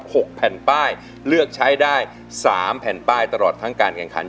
หกแผ่นป้ายเลือกใช้ได้สามแผ่นป้ายตลอดทั้งการแข่งขัน